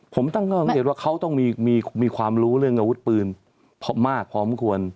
ผมตั้งความสังเกตว่าเขาต้องมีความรู้เรื่องอาวุธปืนมากพร้อมควร